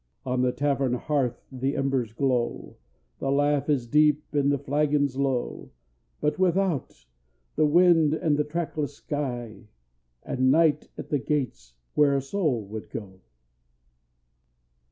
On the tavern hearth the embers glow, The laugh is deep and the flagons low; But without, the wind and the trackless sky, And night at the gates where a soul would go!